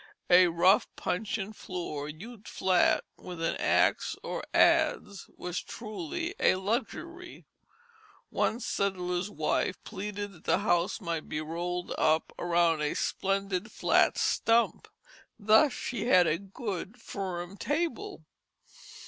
A rough puncheon floor, hewed flat with an axe or adze, was truly a luxury. One settler's wife pleaded that the house might be rolled up around a splendid flat stump; thus she had a good, firm table.